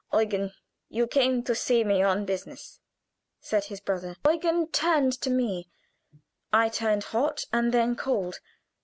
"Eugen, you came to see me on business," said his brother. Eugen turned to me. I turned hot and then cold.